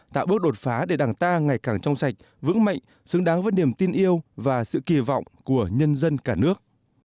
tạo bước đột phá để đảng ta ngày càng trong sạch vững mạnh xứng đáng với niềm tin yêu và sự kỳ vọng của nhân dân cả nước